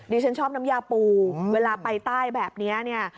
ดิฉันชอบน้ำยาปูเวลาไปใต้แบบนี้